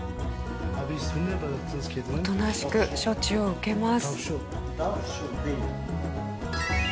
おとなしく処置を受けます。